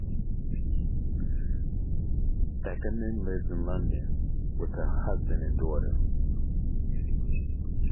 Beckerman lives in London with her husband and daughter.